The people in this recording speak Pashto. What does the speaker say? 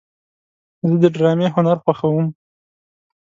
زه د ډرامې هنر خوښوم.